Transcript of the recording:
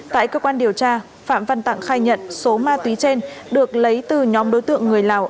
tại cơ quan điều tra phạm văn tặng khai nhận số ma túy trên được lấy từ nhóm đối tượng người lào